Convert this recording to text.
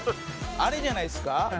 あれじゃないですか？